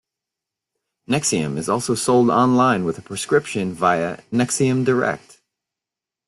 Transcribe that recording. Nexium is also sold online with a prescription via Nexium direct.